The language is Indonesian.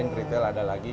yang lain retail ada lagi